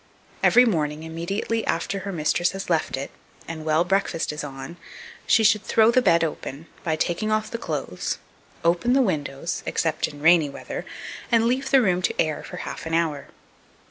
Every morning, immediately after her mistress has left it, and while breakfast is on, she should throw the bed open, by taking off the clothes; open the windows (except in rainy weather), and leave the room to air for half an hour.